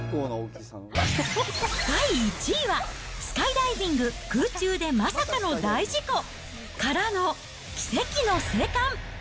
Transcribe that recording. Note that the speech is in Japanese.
第１位は、スカイダイビング空中でまさかの大事故、からの奇跡の生還。